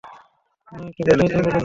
মা, একটু কথাই তো বলছে।